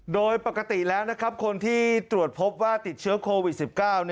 โดยปกติแล้วนะครับคนที่ตรวจพบว่าติดเชื้อโควิด๑๙